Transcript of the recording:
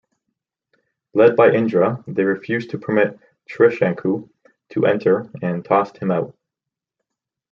Led by Indra, they refused to permit Trishanku to enter, and tossed him out.